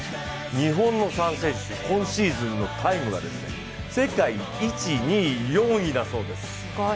日本の３選手今シーズンのタイムが世界１位、２位、４位だそうです。